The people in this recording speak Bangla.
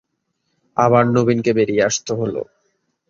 আবার নবীনকে বেরিয়ে আসতে হল।